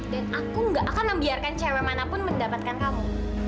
dan aku gak akan membiarkan cewek manapun mendapatkan kamu